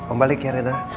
om balik ya rena